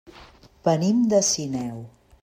Venim de Sineu.